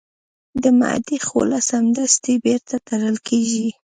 د معدې خوله سمدستي بیرته تړل کېږي.